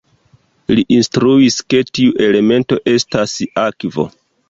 Li instruis, ke tiu elemento estas akvo.